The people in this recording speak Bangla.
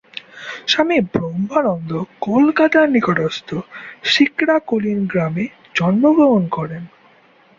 স্বামী ব্রহ্মানন্দ কলকাতার নিকটস্থ শিকরা-কুলীনগ্রামে জন্মগ্রহণ করেন।